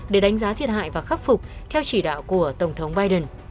để đánh giá thiệt hại và khắc phục theo chỉ đạo của tổng thống biden